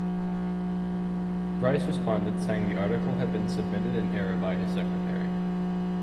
Bryce responded saying the article had been submitted in error by his secretary.